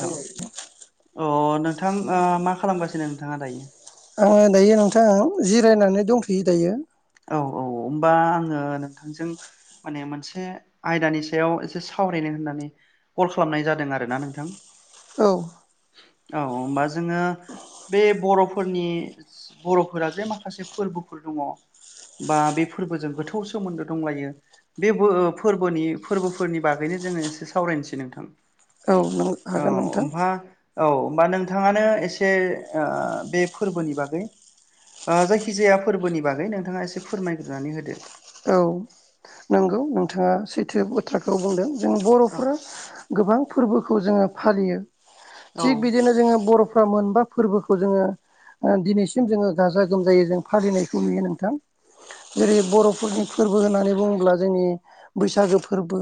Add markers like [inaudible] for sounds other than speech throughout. नोंथां अ नोंथां मा खालामगासिनो नोंथाङा दायो। आङो दायो नोंथां जिरायनानै दंथ'यो दायो। औ औ होमबा आङो नोंथांजों माने मोनसे आयदानि सायाव एसे सावरायनो होननानै कल खालामनाय जादों आरोना नोंथां। औ औ होमबा जोंङो बे बर'फोरनि बर'फोरा जे माखासे फोरबोफोर दङ बा बे फोरबोजों गोथौ सोमोन्दो दंलायो। बे बो फोरबोनि फोरबोफोरनि बागैनो जोंङो एसे सावरायनोसै नोंथां। औ नों औ हागोन नोंथां ओमफा औ होमबा नोंथाङानो एसे ओ बे फोरबोनि बागै जायखिजाया फोरबोनि बागै नोंथाङा एसे फोरमायग्रोनानै होदो औ नंगौ नोंथाङा सैथो बाथ्राखौ बुंदों जों औ बर'फोरा गोबां फोरबोखौ जोङो फालियो औ थिग बिदिनो जोङो बर'फ्रा मोनबा फोरबोखौ जोङो दिनैसिम जोङो गाजा गोमजायै जों फालिनायखौ नुयो नोंथां जेरै बर'फोरनि फोरबो होननानै बुङोब्ला जोंनि बैसागो फोरबो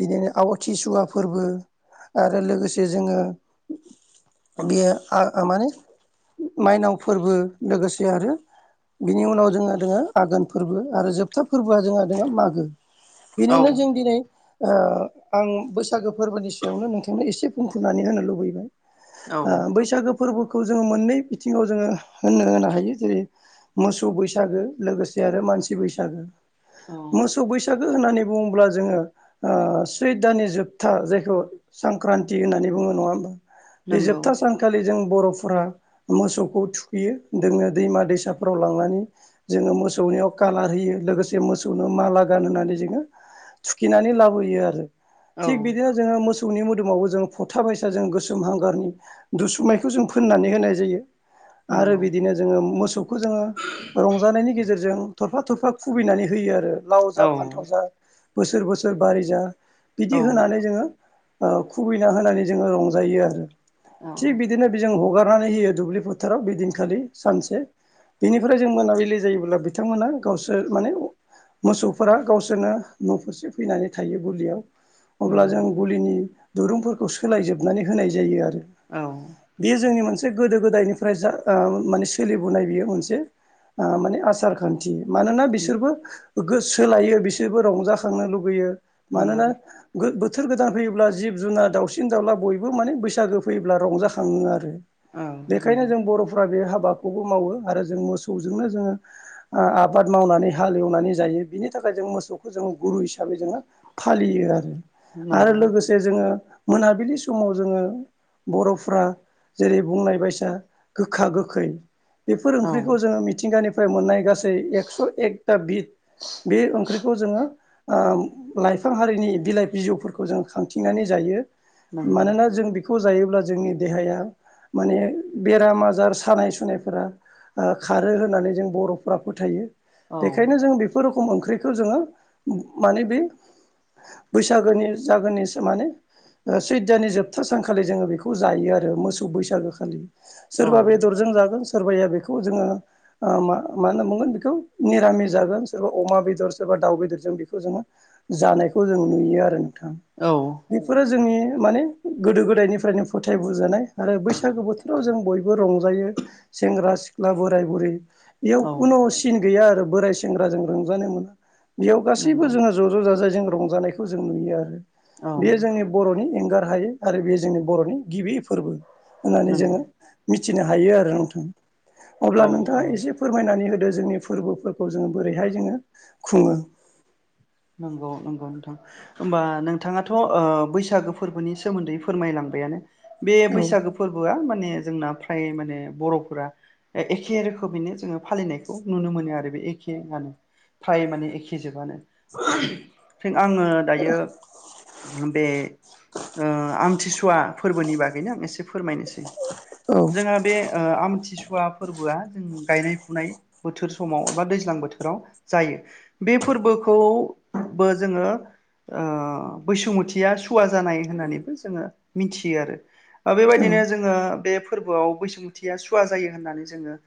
बिदिनो आवाथि सुवा फोरबो आरो लोगोसे जोङो बेयो माने माइनाव फोरबो लोगोसे आरो बिनि उनाव जोंहा दोङो आघोन फोरबो आरो जोबथा फोरबोआ जोंहा दोङो मागो औ बेनिनो जों दिनै आं बैसागो फोरबोनि सायावनो नोंथांनो एसे बुंथुमनानै होनो लुबैबाय औ बैसागो फोरबोखौ जोङो मोननै बिथिङाव जोङो होननो होनो हायो जेरै मोसौ बैसागो लोगोसे आरो मानसि बैसागो औ मोसौ बैसागो होननानै बुङोब्ला जोङो ओ सैद दाननि जोबथा जायखौ संख्रान्ति होननानै बुङो नङा होमबा बे नंगौ जोबथा सान आखालि जों बर'फोरा मोसौखौ थुखैयो जोङो दैमा दैसाफोराव लांनानै जोङो मोसौनियाव कालार होयो लोगोसे मोसौनो माला गान होननानै जोङो थुखिनानै लाबोयो आरो औ थिग बिदिनो जोङो मोसनि मोदोमावबो जोङ फथा बायसा जों गोसोम हांगारनि दुसुमायखौ जों फोननानै होनाय जायो आरो नंगौ बिदिनो जोङो मोसौखौ जोङो रंजानायनि गेजेरजों थरफा थरफा खुबैनानै होयो आरो लाव जा औ फानथाव जा बोसोर बोसोर बारि जा औ बिदि होनानै जोङो खुबैना होनानै जोङो रंजायो आरो औ थिग बिदिनो बे जों हगारनानै होयो दुब्लि फोथाराव बेदिनखालि सानसे बेनिफ्राय जों मोनाबिलि जायोब्ला बिथांमोना गावसोर माने मोसौ फोर गावसोरनो न'फारसे फैनानै थायो गुलियाव अब्ला नंगौ जों गुलिनि दुरुंफोरखौ सोलायजोबनानै होनाय जायो आरो औ बेयो जोंनि मोनसे गोदो गोदायनिफ्राय जा माने सोलिबोनाय बेयो मोनसे माने आसार खान मानोना बिसोरबो गोससोलायो बिसोरबो रंजाखांनो लुुबैयो नंगौ मानोना बोथोर गोदान फैयोब्ला जिब जुुनार दाउसिन दाउला बयबो माने बैसागो फैयोब्ला रंजाखाङो आरो औ बेखायनो नंगौ जों बर'फ्रा बे हाबाखौबो मावो आरो जों मोसौजोंनो जोङो आबाद मावनानै हालएवनानै जायो बिनि थाखाय जों मोसौखौ जोङो गुरु हिसाबै जोङो फालियो आरो आरो नंगौ लोगोसे जे जोङो मोनाबिलि समाव जोङो बर'फ्रा जेरै बुंनाय बायसा गोखा गोखै बेफोर औ ओंख्रिखौ जोङो मिथिंगानिफ्राय मोननाय गासै एक्स' एकथा बिद [inaudible] बे ओंख्रिखौ जोङो लाइफां हारिनि बिलाइ बिजौफोरखौ जों खांथिंनानै जायो नंगौ मानोना जों बेखौ जायोब्ला जोंनि देहाया माने बेराम आजार सानाय सुनायफोरा खारो होननानै जों बर'फोरा फोथायो औ बेखायनो जों बे खम ओंख्रिखौ जोङो माने बे बैसागोनि जागोननिसो माने सैदनि जोबथा सानखालि जोङो बेखौ जायो आरो मोसौ बैसागोखालि। औ सोरबा बेदरजों जागोन सोरबाया बेखौ जोङो मा मा होनना बुंगोन बेखौ मिरामिस जागोन सोरबा अमा बेदर सोरबा दाउ बेदरजों बेखौ जोङो जानायखौ जों नुयो आरो नोंथां। औ बेफोरो जोंनि माने गोदो गोदायनिफ्रायनो फोथाय बोजानाय आरो बैसागो बोथो राव जों बयबो रंजायो सेंग्रा सिख्ला बोराय बुरै बेयाव औ खुनु सिन गैया आरो बोराय सेंग्रा जों रंजानो मोनो बेयाव गासैबो नंगौ जोङो ज'-ज' जाजाय जों रंजानायखौ जों नुयो आरो औ बेयो जोंनि बर'नि एंगार हायै आरो बे जोंनि बर'नि गिबि फोरबो होननानै जोङो नंगौ मिथिनो हायो आरो नोंथां अब्ला औ नोंथाङा औ एसे फोरमायनानै होदो जोंनि फोरबोफोरखौ जोङो बोरैहाय जोङो खुङो नंगौ-नंगौ नोंथां होमबा नोंथाङाथ' ओ बैसागो फोरबोनि सोमोन्दै फोरमायलांबायानो बे औ बैसागो फोरबोआ माने जोंना फ्राय माने बर'फोरा एखे रोखोमैनो जोङो फालिनायखौ नुनो मोनो आरो बे एखेआनो फ्राय माने एखे जोबानो [unintelligible] आङो दायो बे ओ आमथिसुवा फोरबोनि बागैनो आं एसे फोरमायनोसै औ जोंहा बे ओ आमथि सु वा फोरबोआ जों गायनाय फुनाय बोथोर समाव एबा दैज्लां बोथोराव जायो। बे फोरबोखौबो जोङो ओ बैसुमथिया सुवा जानाय होननानैबो जोङो मिथियो आरो ओ औ बेबायदिनो जोङो बे फोरबोआव बैसुमुथिया सुवा जायो होननानै जोङो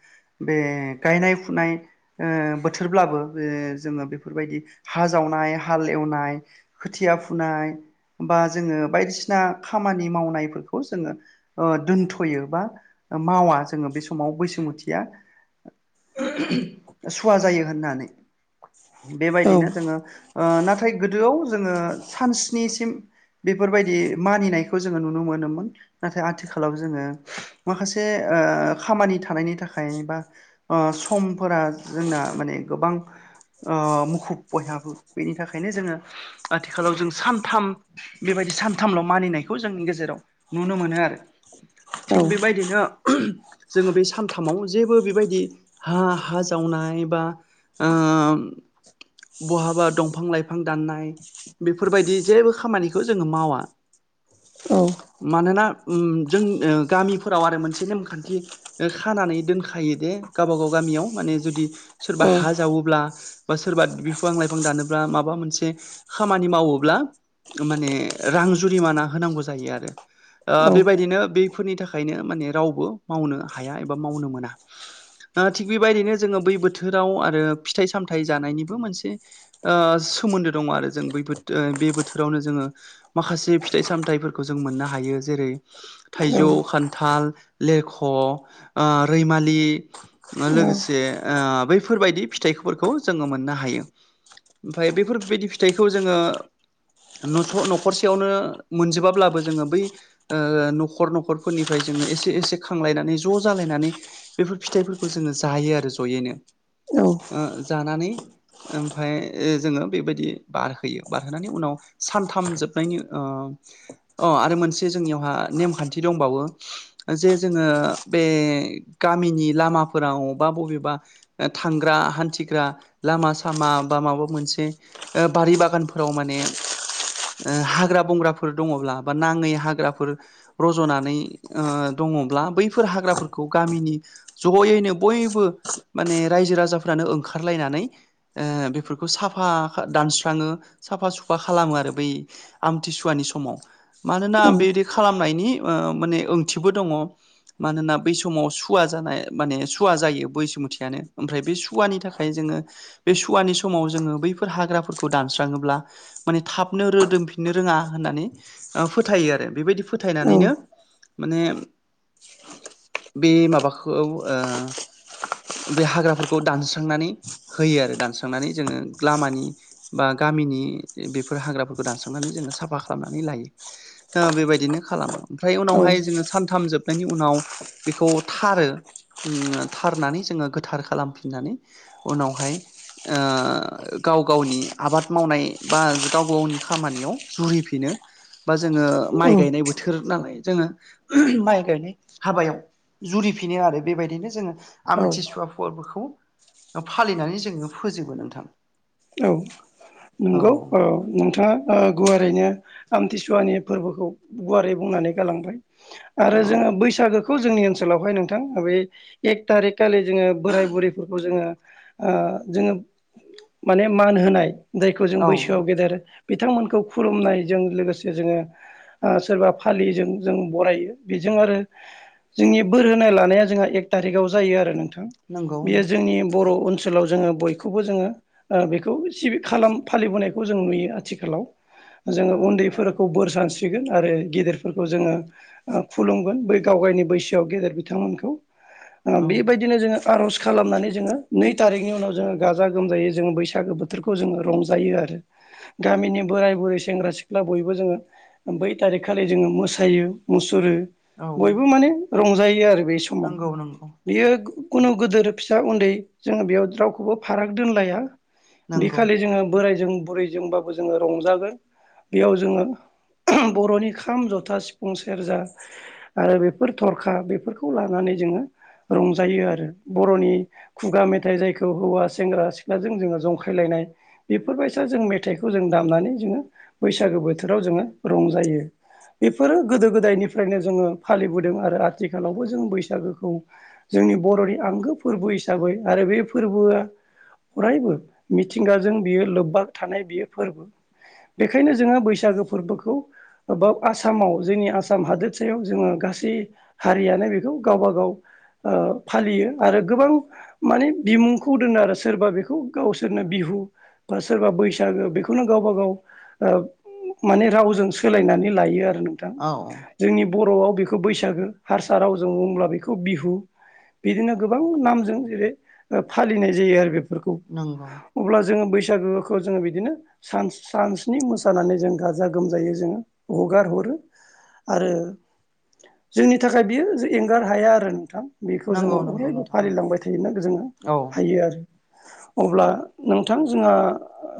बे गायनाय फुनाय ओ बोथोरब्लाबो बे जोङो बेफोरबायदि हा जावनाय हाल एवनाय खोथिया फुनाय बा जोङो बायदिसिना खामानि मावनायफोरखौ जोङो ओ दोनथ'यो बा मावा जोङो बे समाव बैसुमुथिया [unintelligible] सुवा जायो होननानै बेबायदिनो औ नाथाय गोदोआव जोङो सानस्निसिम बेफोरबायदि मानिनायखौ जोङो नुनो मोनोमोन नाथाय आथिखा लाव जोङो माखासे ओ खामानि थानायनि थाखाय बा ओ समफोरा जोंना माने गोबां ओ मुखुब बयहाबो बेनि थाखायनो जोङो आथिखालाव जों सानथाम बेबायदि सानथामल' मानिनायखौ जोंनि गेजेराव नुनो मोनो आरो थिग औ बेबायदिनो जोङो बे सानथामाव जेबो बेबायदि हा-हा जावनाय बा ओ बहाबा दंफां लाइफां दाननाय बेफोरबायदि जेबो खामानिखौ जोङो मावा मानोना उ जों ओ गामिफोराव आरो मोनसे नेमखान्थि खानानै दोनखायो दे गावब गाव गामियाव माने जुदि सोरबा औ हा जावोब्ला बा सोरबा बिफां लाइफां दानोब्ला माबा मोनसे खामानि मावोब्ला माने रां जुरिमाना होनांगौ जायो आरो। औ ओ बेबायदिनो बेफोरनि थाखायनो माने रावबो मावनो हाया एबा मावनो मोना। ओ थिग बेबायदिनो जोङो बै बोथोराव आरो फिथाइ सामथायाइ जानायनिबो मोनसे ओ सोमोन्दो दङ आरो जों बै बे बोथोरावनो जोङो माखासे फिथाइ सामथाइफोरखौ जों मोननो हायो जेरै थाइजौ खान्थाल लेरख' रैमालि लोगोसे बैफोरबायदि फिथाइफोरखौ जोङो मोननो हा हायो ओमफ्राय बेफोरबायदि फिथाइखौ जोङो नस' न'खरसेयावनो मोनजोबाब्लाबो जोङो बै ओ न'खर-न'खरफोरनिफ्राय जोङो एसे-एसे खांलायनानै ज' जालायनानै बेफोर फिथाइफोरखौ जोङो जायो आरो जयैनो। ओमफाय जोङो बेबायदि बारहोयो बारहोनानै उनाव सानथाम जोबनायनि ओ- अ आरो मोनसे जोंनियावहा नेमखान्थि दंबावो। जे जोङो बे गामिनि लामाफोराव बा बबेबा ओ-थांग्रा हान्थिग्रा लामा सामा बा माबा मोनसे ओ-बारि बागानफोराव माने ओ-हाग्रा बंग्राफोर दङब्ला बा नाङै हाग्राफोर रज'नानै ओ-दङब्ला बैफोर हाग्राफोरखौ गामिनि जयैनो बयबो माने रायजो राजाफ्रानो ओंखारलायनानै। बेफोरखौ साफा दानस्राङो साफा सुफा खालामो आरो बै। आमथिसुवानि समाव मानोना बेदि खालामनायनि ओ-माने ओंथिबो दङ। मानोना बै समाव सुवा जानाय माने सुवा जायो बैसुमुथिआनो ओमफ्राय बे सुवानि थाखाय। ओंखाय जोङो बे सुवानि समाव जोङो बैफोर हाग्राफोरखौ दानस्राङोब्ला माने थाबनो रोदोमफिननो रोङा होननानै ओ-फोथायो आरो बेबायदि फोथायनानैनो माने बे माबाखौ ओ- बे हाग्राफोरखौ दानस्रांनानै होयो आरो दानस्रांनानै जोङो लामानि बा गामिनि बेफोर हाग्राफोरखौ दानस्रांनानै जोङो साफा खालामनानै लायो। ओ-बेबायदिनो खालामो ओमफ्राय औ उनावहाय जोङो सानथाम जोब नायनि उनाव बेखौ थारो ओम-थारनानै जोङो गोथार खालामफिननानै उनावहाय ओ-गाव गावनि आबाद मावनाय बा गाव गावनि खामानियाव जुरिफिनो। बा जोङो माइ औ गायनाय बोथोर नालाय जोङो माइ गायनाय हाबायाव। जुरिफिनो आरो बेबायदिनो जोङो आमथिसुवा फोरबोखौ ओ-फालिनानै जोङो। फोजोबो नोंथां। औ औ नंगौ ओ-नोंथाङा ओ-गुवारैनो आमथिसुवानि फोरबोखौ गुवारै बुंनानै गालांबाय। औ आरो जोङो बैसागोखौ जोंनि ओनसोलावहाय नोंथां बेै एक थारिख खालि जोङो बोराय बुरैफोरखौ जोङो ओ-जोङो माने मान होनाय जायखौ जों औ बैसोआव गेदेर बिथांमोनखौ खुलुमनायजों लोगोसे जोङो ओ-सोरबा फालिजों जों बरायो बेजों आरो। जोंनि बोर होनाय लानाया जोंहा एक थारिकाव जायो आरो नोंथां। नंगौ बियो जोंनि बर' ओनसोलाव जोङो बयखौबो जोङो ओ-बेखौ सिबि खालाम होनायखौ जों नुयो आथिखालाव। जोङो उन्दैफोरखौ बोर सानस्रिगोन आरो गेदिरफोरखौ जोङो ओ-खुलुमगोन बै गावगायनि बैसोआव गेदेर बिथांमोनखौ औ ओ-बेबायदिनो जोङो। आर'ज खालामनानै जोङो नै थारिखनि उनाव जोङो गाजा गोमजायै जोङो बैसागो बोथोरखौ जोङो रंज जायो आरो गामिनि बोराय बुरै सेंग्रा सिख्ला बयबो जोङो बै थारिख खालि जोङो मोसायो मुसुरो औ बयबो माने रंजायो आरो बे सम नंगौ नंगौ बियो खुनु गोदोर फिसा उन्दै जोङो बेयाव रावखौबो फाराग दोनलाया। नंगौ बिखालि जोङो बोरायजों बुरैजोंबाबो जोङो रंजागोन। बेयाव जोङो बर'नि खाम जथा सिफुं सेरजा। आरो बेफोर थरखा बेफोरखौ लानानै जोङो रंजायो आरो बर'नि खुगा मेथाइ जायखौ हौवा सेंग्रा सिख्लाजों जोङो जंखायलायनाय। बेफोरबायसा जों मेथाइखौ जों दामनानै जोङो बैसागो बोथोराव जोङो रंजायो। बेफोरो गोदो गोदायनिफ्रायनो जोङो फालिबोदों आरो आथिखालावबो जों बैसागोखौ। जोंनि बर'नि आंगो फोरबो हिसाबै आरो बे फोरबोआ। अरायबो मिथिंगाजों बियो लोब्बा थानाय बियो फोरबो। बेखायनो जोङो बैसागो फोरबोखौ बो-बाब आसामाव जोंनि आसाम हादोरसायाव जोङो गासै हारियानो बेखौ गावबा गाव फालियो आरो गोबां माने बिमुंखौ दोनो आरो सोरबा बेखौ गावसोरनो बिहु बा सोरबा बैसागो बेखौनो गावबा गाव माने रावजों सोलायनानै लायो आरो नोंथां औ औ जोंनि बर'आव बेखौ बैसागो हारसा रावजों बुङब्ला बेखौ बिहु बिदिनो गोबां नामजों जेरै फालिनाय जायो आरो बेफोरखौ नंगौ अब्ला जोङो बैसागोखौ जोङो बिदिनो ान सानसनि मोसानानै जों गाजा गोमजायै जोङो हगार हरो आरो जोंनि थाखाय बियो एंगार हाया आरो नोंथां बेखौ नंगौ जोङो नंगौ अरायबो नोंथां नंगौ फालिलांबाय थायोोन जोङो औ हायो आरो अब्ला नोंथां जोंहा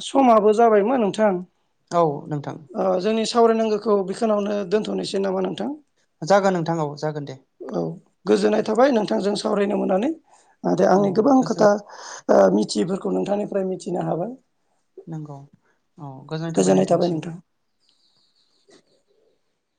समाबो जाबायमोन नोंथां औ नोंथां जोंनि सावरायनांगौखौ बिखनावनो दोनथ'नोसै नामा नोंथां जागोन नोंथांाव जागोन दे औ गोजोननाय थाबाय नोंथांजों सावरायनो मोननानै नाथाय औ आंनि गोबां गोजोन खोथा मिथिफोरखौ नोंथांनिफ्राय मिथिनो हाबाय नंगौ औ गोजोननाय थाबाय नोंथांसिमबो